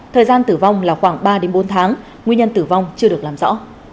thời gian tử vong là khoảng ba bốn tháng nguyên nhân tử vong chưa được làm rõ